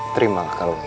terimalah kalau ini